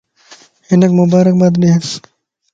ھنک مبارڪباد ڏينس